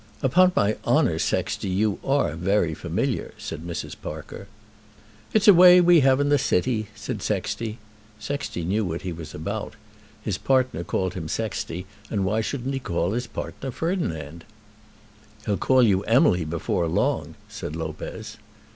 "Upon my honour, Sexty, you are very familiar," said Mrs. Parker. "It's a way we have in the city," said Sexty. Sexty knew what he was about. His partner called him Sexty, and why shouldn't he call his partner Ferdinand? "He'll call you Emily before long," said Lopez.